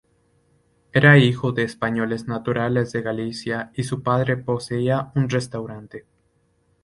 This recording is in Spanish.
Era hijo de españoles naturales de Galicia y su padre poseía un restaurante.